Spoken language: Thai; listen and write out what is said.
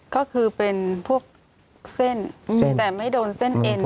ก็คือเป็นพวกเส้นแต่ไม่โดนเส้นเอ็น